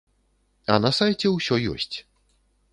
А на сайце ўсё ёсць.